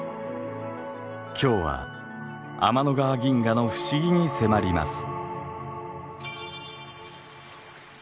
今日は天の川銀河の不思議に迫ります。